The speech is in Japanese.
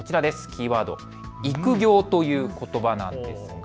キーワード、育業ということばです。